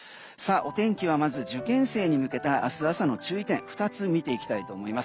お天気はまず、受験生に向けた明日朝の注意点を２つ見ていきたいと思います。